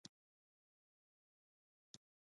څو عکسونه مې واخیستل.